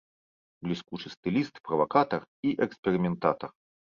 Бліскучы стыліст, правакатар і эксперыментатар.